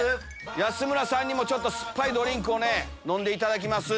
安村さんにも酸っぱいドリンクを飲んでいただきます。